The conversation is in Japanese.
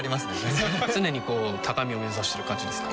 全然常にこう高みを目指してる感じですか